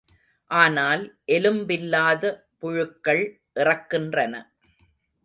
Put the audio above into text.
ஆனால் எலும்பில்லாத புழுக்கள் இறக்கின்றன.